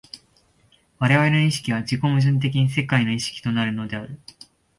我々の意識は自己矛盾的に世界の意識となるのである。